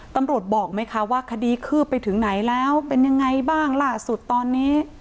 บอกไหมคะว่าคดีคืบไปถึงไหนแล้วเป็นยังไงบ้างล่าสุดตอนนี้